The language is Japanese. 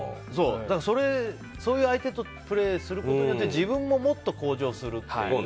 そういう相手とプレーすることで自分ももっと向上するっていう。